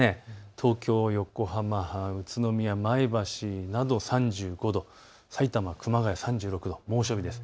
東京、横浜、宇都宮、前橋など３５度、さいたま、熊谷３６度、猛暑日です。